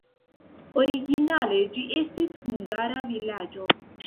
Originale ĝi estis hungara vilaĝo.